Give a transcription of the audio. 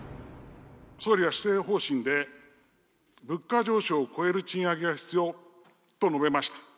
総理は施政方針で、物価上昇を超える賃上げが必要と述べました。